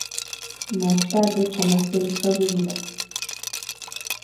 Más tarde comercializó bebidas.